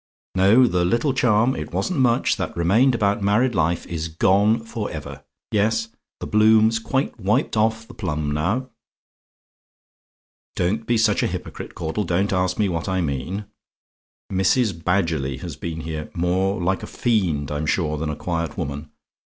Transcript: No: the little charm it wasn't much that remained about married life, is gone for ever. Yes; the bloom's quite wiped off the plum now. "Don't be such a hypocrite, Caudle; don't ask me what I mean! Mrs. Badgerly has been here more like a fiend, I'm sure, than a quiet woman.